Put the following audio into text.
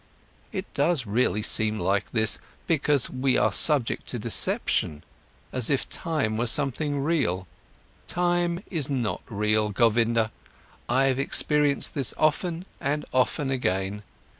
It does really seem like this, because we are subject to deception, as if time was something real. Time is not real, Govinda, I have experienced this often and often again.